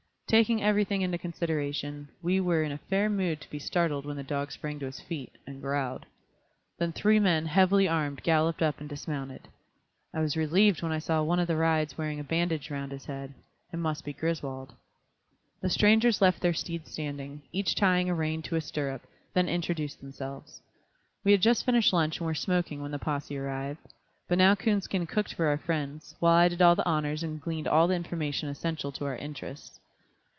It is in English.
Taking everything into consideration, we were in a fair mood to be startled when the dog sprang to his feet, and growled. Then three men, heavily armed, galloped up and dismounted. I was relieved when I saw one of the riders wearing a bandage round his head; it must be Griswold. The strangers left their steeds standing, each tying a rein to a stirrup, then introduced themselves. We had just finished lunch and were smoking when the possè arrived; but now Coonskin cooked for our friends, while I did all the honors and gleaned all the information essential to our interests.